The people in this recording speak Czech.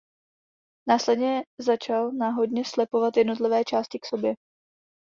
Následně začal náhodně slepovat jednotlivé části k sobě.